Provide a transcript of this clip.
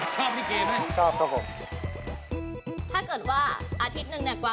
เชื่อด้วยค่ะ